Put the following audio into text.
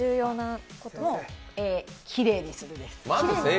きれいにする、です。